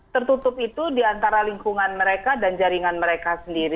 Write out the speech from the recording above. tertutup itu di antara lingkungan mereka dan jaringan mereka sendiri